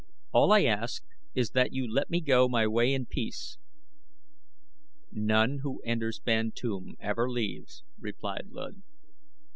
All I ask is that you let me go my way in peace." "None who enters Bantoom ever leaves," replied Luud.